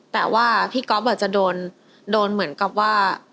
แต่ว่าพี่ก๊อฟจะโดนเหมือนกับว่า